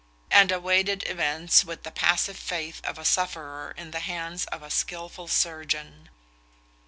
and awaited events with the passive faith of a sufferer in the hands of a skilful surgeon.